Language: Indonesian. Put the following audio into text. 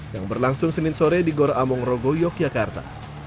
yang berlangsung senin sore di goramong rogo yogyakarta